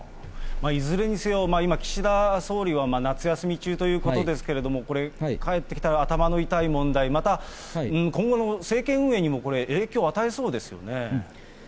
いずれにせよ、今、岸田総理は夏休み中ということですけれども、これ、帰ってきたら、頭の痛い問題、また今後の政権運営にも、そうですね。